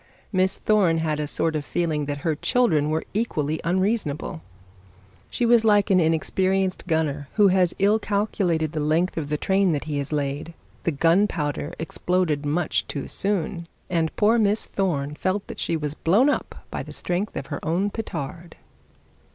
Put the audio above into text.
Miss Thorne had a sort of feeling that an inexperienced gunner, who has ill calculated the length of the train that he has laid. The gunpowder exploded much too soon and poor Miss Thorne felt that she was blown up by the strength of her own petard.